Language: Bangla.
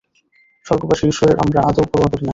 স্বর্গবাসী ঈশ্বরের আমরা আদৌ পরোয়া করি না।